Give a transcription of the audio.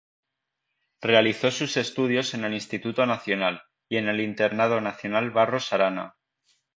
Realizó sus estudios en el Instituto Nacional y en el Internado Nacional Barros Arana.